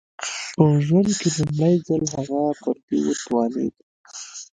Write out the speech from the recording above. په ژوند کې لومړی ځل هغه پر دې وتوانېد